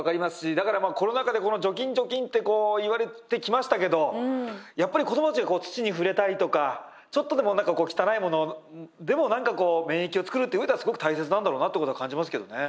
だからコロナ禍でこの除菌除菌ってこう言われてきましたけどやっぱり子どもたちが土に触れたりとかちょっとでも何かこう汚いものでも何かこう免疫を作るっていう上ではすごく大切なんだろうなってことは感じますけどね。